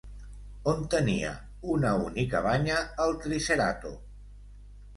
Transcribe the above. On tenia una única banya el triceratop?